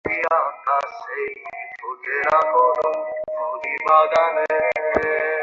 গদিতে বসে থাকা মেয়েটি তীক্ষ্ণ গলায় বলল, এখানে এত কথা বলছেন কেন?